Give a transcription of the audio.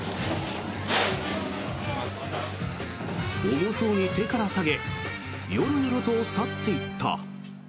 重そうに手から下げよろよろと去っていった。